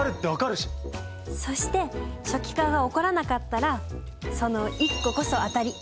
そして初期化が起こらなかったらその１個こそ当たり。